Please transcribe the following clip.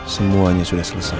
semuanya sudah selesai